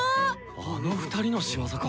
あの２人の仕業か。